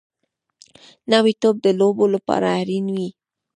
نوی توپ د لوبو لپاره اړین وي